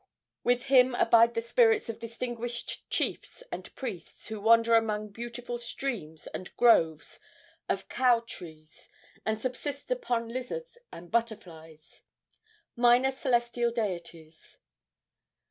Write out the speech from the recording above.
With him abide the spirits of distinguished chiefs and priests, who wander among beautiful streams and groves of kou trees, and subsist upon lizards and butterflies. Minor Celestial Deities.